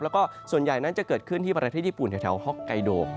แล้วก็ส่วนใหญ่นั้นจะเกิดขึ้นที่ประเทศญี่ปุ่นแถวฮอกไกโด